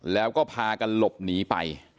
แล้วก็พากันหลบหนีไป